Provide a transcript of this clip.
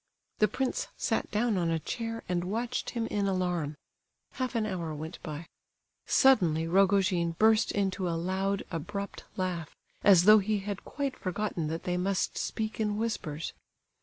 The prince sat down on a chair, and watched him in alarm. Half an hour went by. Suddenly Rogojin burst into a loud abrupt laugh, as though he had quite forgotten that they must speak in whispers.